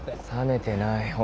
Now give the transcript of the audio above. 冷めてない。